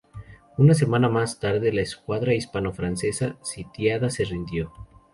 Una semana más tarde, la escuadra hispano-francesa sitiada se rindió.